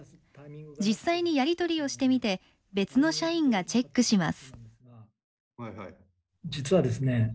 実際にやり取りをしてみて別の社員がチェックします。